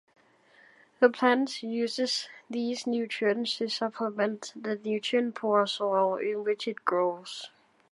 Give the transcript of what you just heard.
The plant uses these nutrients to supplement the nutrient-poor soil in which it grows.